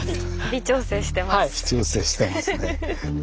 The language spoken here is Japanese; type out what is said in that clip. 微調整してますね。